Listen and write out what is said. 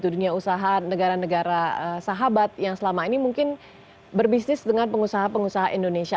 dunia usaha negara negara sahabat yang selama ini mungkin berbisnis dengan pengusaha pengusaha indonesia